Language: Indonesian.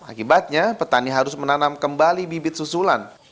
akibatnya petani harus menanam kembali bibit susulan